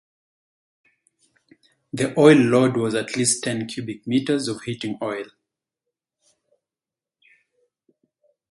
The oil load was at least ten cubic meters of heating oil.